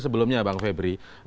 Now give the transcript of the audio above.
sebelumnya bang febri